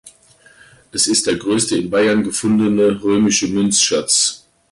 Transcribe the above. Es ist der größte in Bayern gefundene römische Münzschatz.